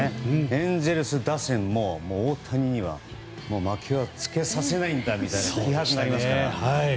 エンゼルス打線も大谷には負けはつけさせないんだみたいな気迫がありましたから。